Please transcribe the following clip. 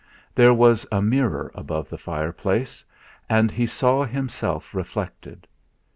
There was a mirror above the fireplace, and he saw himself reflected.